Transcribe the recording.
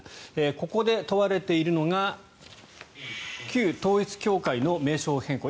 ここで問われているのが旧統一教会の名称変更